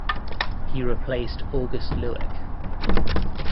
He replaced August Luik.